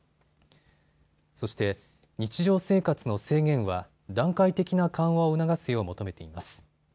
そして日常生活の制限は段階的な緩和を促すよう求めています。